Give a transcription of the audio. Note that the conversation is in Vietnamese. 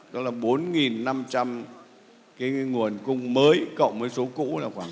đó là bốn năm trăm linh cái nguồn cung mới cộng với số cũ là khoảng hai mươi năm